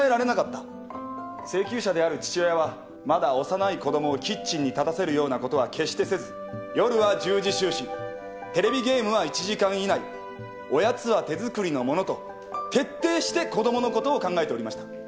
請求者である父親はまだ幼い子供をキッチンに立たせるようなことは決してせず夜は１０時就寝テレビゲームは１時間以内おやつは手作りの物と徹底して子供のことを考えておりました。